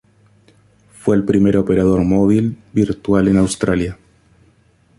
Fue el primer operador móvil virtual en Australia.